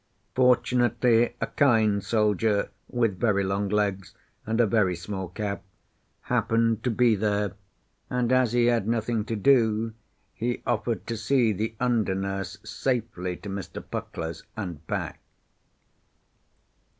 Fortunately a kind soldier, with very long legs and a very small cap, happened to be there; and as he had nothing to do, he offered to see the under nurse safely to Mr. Puckler's and back.